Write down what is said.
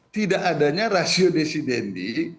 tidak adanya rasio desidendi